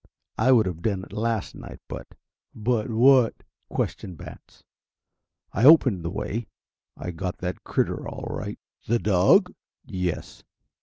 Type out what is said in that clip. I would have done it last night, but " "But what?" questioned Batts. "I opened the way. I got that critter all right." "The dog?" "Yes."